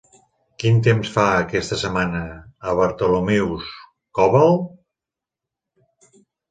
Quin temps fa aquesta setmana a Bartholomew's Cobble?